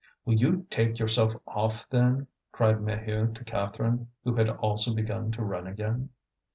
"Will you take yourself off, then?" cried Maheu to Catherine who had also begun to run again.